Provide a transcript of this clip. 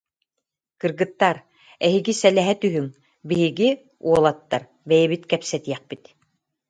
Кыргыттар, эһиги сэлэһэ түһүҥ, биһиги, уолаттар, бэйэбит кэпсэтиэхпит